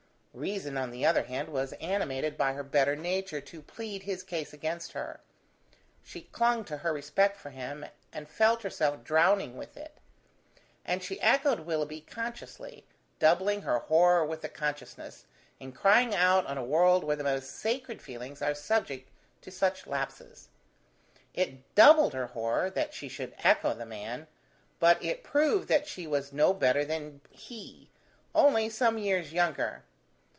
Reason, on the other hand, was animated by her better nature to plead his case against her: she clung to her respect for him, and felt herself drowning with it: and she echoed Willoughby consciously, doubling her horror with the consciousness, in crying out on a world where the most sacred feelings are subject to such lapses. It doubled her horror, that she should echo the man: but it proved that she was no better than be: only some years younger.